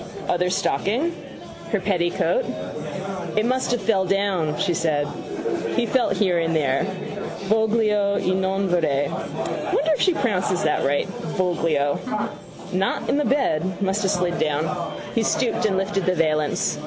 Other stocking. Her petticoat. —It must have fell down, she said. He felt here and there. Voglio e non vorrei. Wonder if she pronounces that right: voglio. Not in the bed. Must have slid down. He stooped and lifted the valance.